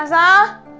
kau masih ingat loh